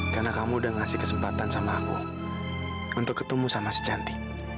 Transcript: karena kamu udah ngasih kesempatan sama aku untuk ketemu sama si cantik